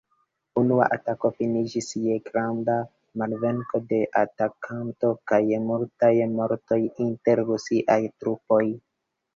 Unua atako finiĝis je granda malvenko de atakantoj kaj multaj mortoj inter Rusiaj trupoj.